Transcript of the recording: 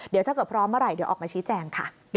เดี๋ยวถ้าเกิดพร้อมเมื่อไหร่เดี๋ยวออกมาชี้แจงค่ะ